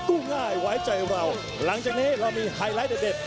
กู้ง่ายไว้ใจเราหลังจากนี้เรามีไฮไลท์เด็ด